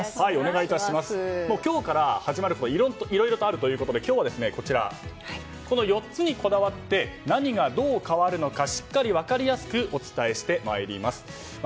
今日から始まることがいろいろとあるということで今日はこの４つにこだわって何がどう変わるのかしっかり分かりやすくお伝えしてまいります。